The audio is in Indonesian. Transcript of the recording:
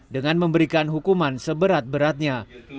dengan memberikan hukuman seberat beratnya